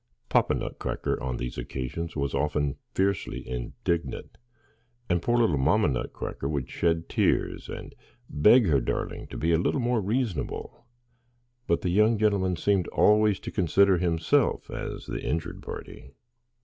Papa Nutcracker, on these occasions, was often fiercely indignant, and poor little Mamma Nutcracker would shed tears, and beg her darling to be a little more reasonable; but the young gentleman seemed always to consider himself as the injured party.